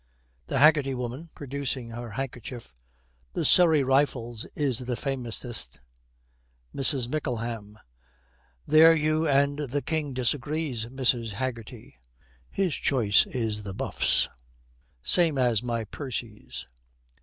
THE HAGGERTY WOMAN, producing her handkerchief, 'The Surrey Rifles is the famousest.' MRS. MICKLEHAM. 'There you and the King disagrees, Mrs. Haggerty. His choice is the Buffs, same as my Percy's.'